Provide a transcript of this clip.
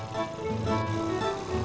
mada kitabnya akhirnya